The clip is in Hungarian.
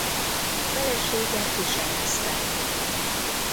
Felesége Fischer Eszter volt.